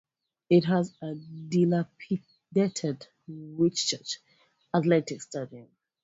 It has a dilapidated Whitchurch athletics stadium.